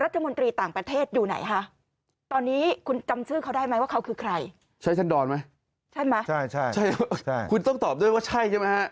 ใช่ใช่คุณต้องตอบว่าใช่